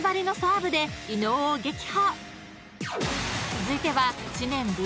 ［続いては］